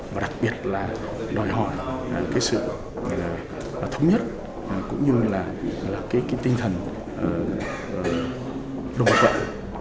và đặc biệt là đòi hỏi sự thống nhất cũng như là tinh thần đồng bạc vận